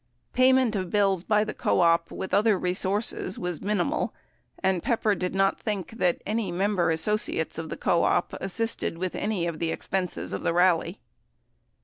Payment of bills by the co op with other resources was minimal, and Pepper did not think that any member associates of the co op assisted with any ex penses of the rally.